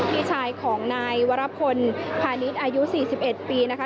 พี่ชายของนายวรพลพาณิชย์อายุ๔๑ปีนะคะ